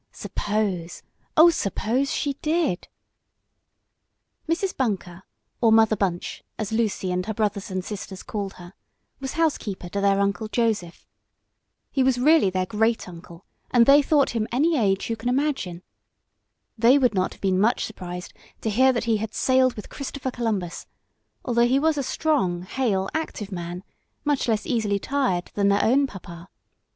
Suppose, oh, suppose she did! Mrs. Bunker, or Mother Bunch, as Lucy and her brothers and sisters called her, was housekeeper to their Uncle Joseph. He was really their great uncle, and they thought him any age you can imagine. They would not have been much surprised to hear that he had sailed with Christopher Columbus, though he was a strong, hale, active man, much less easily tired than their own papa.